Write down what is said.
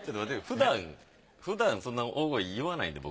ふだんそんな大声言わないんで僕。